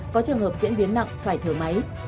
có trường hợp diễn biến nặng phải thở máy